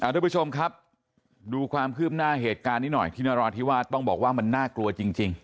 ทุกผู้ชมครับดูความคืบหน้าเหตุการณ์นี้หน่อยที่นราธิวาสต้องบอกว่ามันน่ากลัวจริง